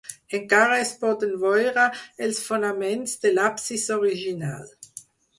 Encara es poden veure els fonaments de l'absis original.